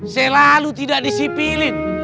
selalu tidak disipilin